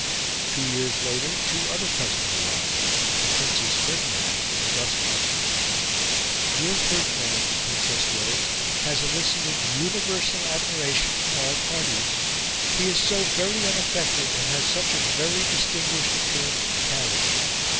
Two years later, two other cousins arrived, the Princes Ferdinand and Augustus. "Dear Ferdinand," the Princess wrote, "has elicited universal admiration from all parties... He is so very unaffected, and has such a very distinguished appearance and carriage.